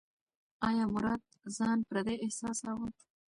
ایا مراد ځان پردی احساساوه؟